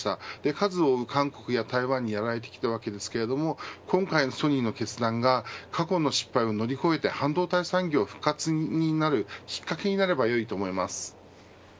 数を追う韓国や台湾にやられてきましたが今回のソニーの決断が過去の失敗を乗り越えて半導体産業復活になるきっかけになればよいと思います。